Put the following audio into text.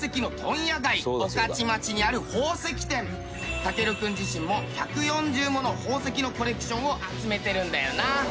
丈琉君自身も１４０もの宝石のコレクションを集めてるんだよな。